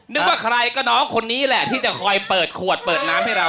นึกว่าใครก็น้องคนนี้แหละที่จะคอยเปิดขวดเปิดน้ำให้เรา